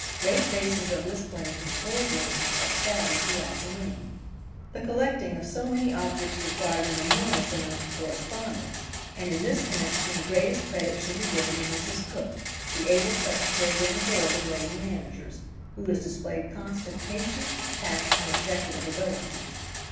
Great vases of this plant, in full bloom, are scattered throughout the room. MRS. COOKE. The collecting of so many objects required an enormous amount of correspondence, and in this connection the greatest credit should be given to Mrs. Cooke, the able Secretary of the Board of Lady Managers, who has displayed constant patience, tact, and executive ability.